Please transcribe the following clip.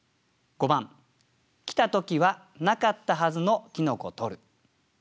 ５番「来たときはなかったはずの茸採る」。